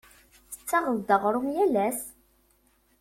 Tettaɣeḍ-d aɣrum yal ass?